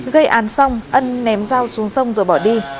gây án xong ân ném dao xuống sông rồi bỏ đi